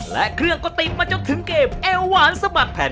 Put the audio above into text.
และเครื่องก็ติดมาจนถึงเกมเอวหวานสะบัดแผ่น